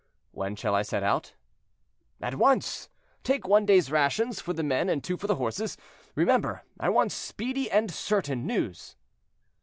"When shall I set out?" "At once. Take one day's rations for the men and two for the horses. Remember, I want speedy and certain news."